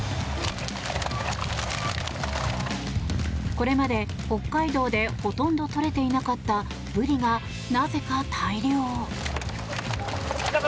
これまで北海道でほとんどとれていなかったブリがなぜか大漁！